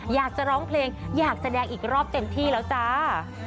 อยากจะร้องเพลงอยากแสดงอีกรอบเต็มที่แล้วจ้า